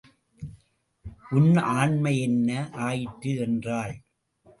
உன் ஆண்மை என்ன ஆயிற்று? என்றாள்.